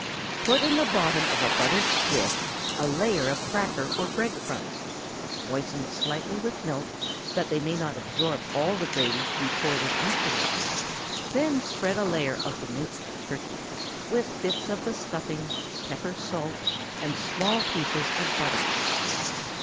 Put in the bottom of a buttered dish a layer of cracker or bread crumbs; moisten slightly with milk, that they may not absorb all the gravy to be poured in afterward; then spread a layer of the minced turkey, with bits of the stuffing, pepper, salt, and small pieces of butter.